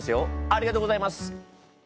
ありがとうございます！